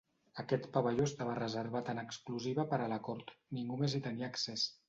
Aquest pavelló estava reservat en exclusiva per a la cort, ningú més tenia accés.